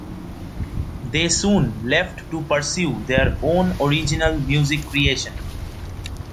They soon left to pursue their own original music creation.